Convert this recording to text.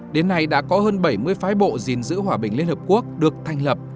đến nay đã có hơn bảy mươi phái bộ gìn giữ hòa bình liên hợp quốc được thành lập